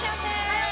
はい！